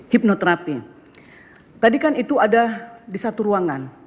hipnoterapi tadi kan itu ada di satu ruangan